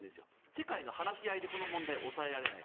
世界の話し合いでこの問題を抑えられない。